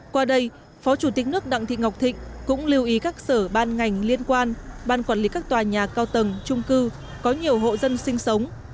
qua đây phó chủ tịch nước đặng thị ngọc thịnh cũng lưu ý các sở ban ngành liên quan ban quản lý các tòa nhà cao tầng trung cư có nhiều hộ dân sinh sống